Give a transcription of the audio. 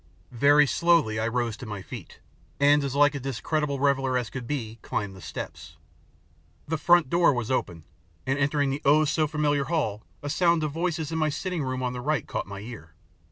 Very slowly I rose to my feet, and as like a discreditable reveller as could be, climbed the steps. The front door was open, and entering the oh, so familiar hall a sound of voices in my sitting room on the right caught my ear.